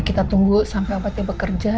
kita tunggu sampai apa apa bekerja